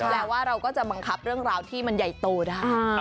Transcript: แปลว่าเราก็จะบังคับเรื่องราวที่มันใหญ่โตได้